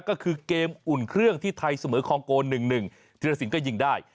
ก็คือเกมอุ่นเครื่องที่ไทยเสมอคองโก๑๑ธิรสินก็ยิงได้